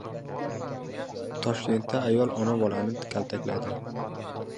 Toshkentda ayol ona-bolani kaltakladi